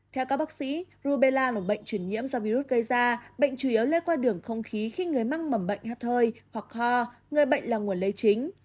theo các bác sĩ rubella là bệnh chuyển nhiễm do virus gây ra bệnh chủ yếu lê qua đường không khí khi người măng mầm bệnh hắt hơi hoặc ho người bệnh là nguồn lấy chính